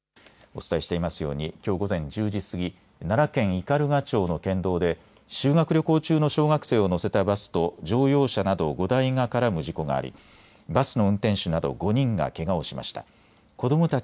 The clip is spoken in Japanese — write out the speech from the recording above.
お伝えしていますようにきょう午前１０時過ぎ、奈良県斑鳩町の県道で修学旅行中の小学生を乗せたバスと乗用車など５台が絡む事故がありバスの運転手など５人がけがをしました。